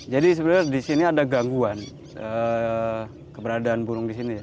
jadi sebenarnya di sini ada gangguan keberadaan burung di sini